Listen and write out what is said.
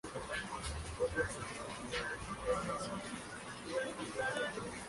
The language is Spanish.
En la película "¡Salvados!